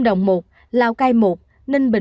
đồng nai ba trăm linh ba